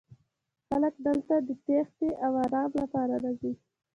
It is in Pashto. خلک دلته د تیښتې او ارام لپاره راځي